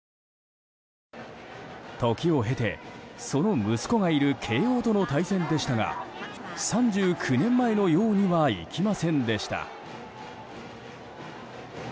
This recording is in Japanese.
時を経て、その息子がいる慶應との対戦でしたが３９年前のようにはいきませんでした。